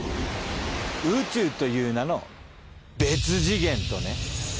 宇宙という名の別次元とね。